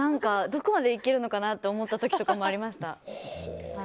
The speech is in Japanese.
どこまでいけるのかなって思った時もありました。